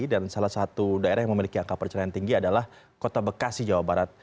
dan salah satu daerah yang memiliki angka perceraian tinggi adalah kota bekasi jawa barat